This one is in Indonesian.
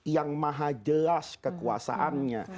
yang maha jelas kekuasaannya